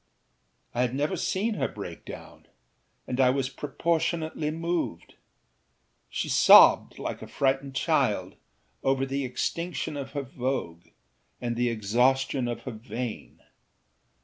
I had never seen her break down, and I was proportionately moved; she sobbed, like a frightened child, over the extinction of her vogue and the exhaustion of her vein.